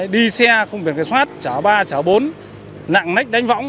đi xe không biển kiểm soát chở ba chở bốn lạng lách đánh võng